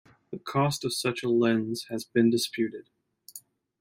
The cost of such a lens has been disputed.